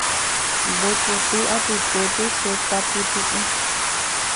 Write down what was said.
Nde poty apytépe che tapytu’u